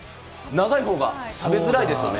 長いほうが食べづらいですよね。